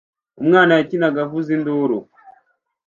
Umwana yakinaga avuza induru.